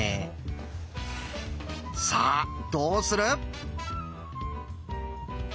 さあどうする？